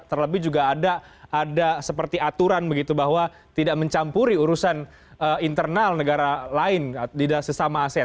terlebih juga ada seperti aturan begitu bahwa tidak mencampuri urusan internal negara lain tidak sesama asean